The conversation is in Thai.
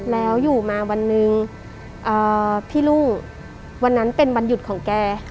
แล้วอยู่มาวันหนึ่งพี่รุ่งวันนั้นเป็นวันหยุดของแก